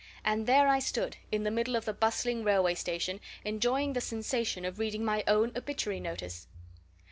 And there I stood, in the middle of the bustling railway station, enjoying the sensation of reading my own obituary notice.